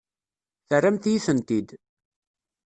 Terramt-iyi-tent-id.